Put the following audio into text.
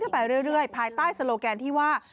ไปเรื่อยภายใต้โลแกนที่ว่า